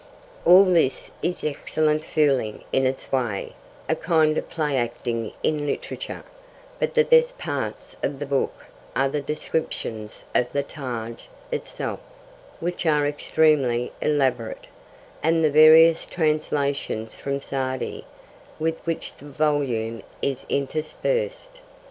All this is excellent fooling in its way, a kind of play acting in literature; but the best parts of the book are the descriptions of the Taj itself, which are extremely elaborate, and the various translations from Sa'di with which the volume is interspersed.